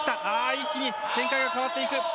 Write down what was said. あー、一気に展開が変わっていく。